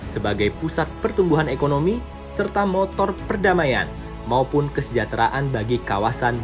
sebagai pusat pertumbuhan ekonomi serta motor perdamaian maupun kesejahteraan bagi kawasan